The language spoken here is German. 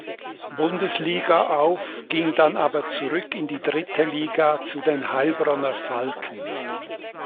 Bundesliga auf, ging dann aber zurück in die dritte Liga zu den Heilbronner Falken.